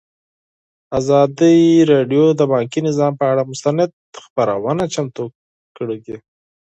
ازادي راډیو د بانکي نظام پر اړه مستند خپرونه چمتو کړې.